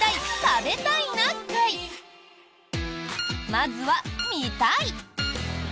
まずは、見たい！